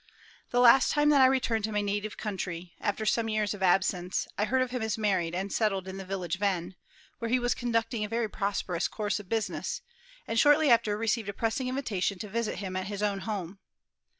The last time that I returned to my native country, after some years of absence, I heard of him as married and settled in the village of N., where he was conducting a very prosperous course of business, and shortly after received a pressing invitation to visit him at his own home.